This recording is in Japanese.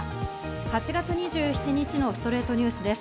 ８月２７日、『ストレイトニュース』です。